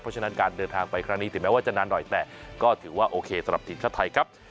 เพราะฉะนั้นการเดินทางไปครั้งนี้ถึงแม้ว่าจะนานหน่อยแต่ก็ถือว่าโอเคสำหรับทีมชาติไทยครับ